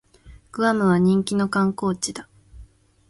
グアムは人気の観光地だ